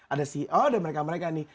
ada ceo dan mereka mereka nih